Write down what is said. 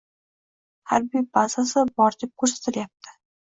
harbiy bazasi bor deb ko‘rsatilayapti.